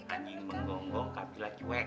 anjing menggonggong kafilah cuek